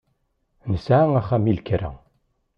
Nesɛa axxam i lekra.